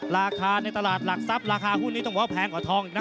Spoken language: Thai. ราคาในตลาดหลักทรัพย์ราคาหุ้นนี้ต้องบอกว่าแพงกว่าทองอีกนะ